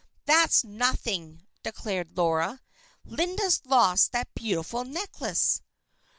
"That's nothing," declared Laura. "Linda's lost that beautiful necklace."